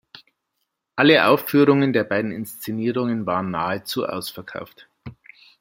Alle Aufführungen der beiden Inszenierungen waren nahezu ausverkauft.